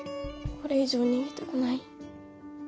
これ以上逃げたくない。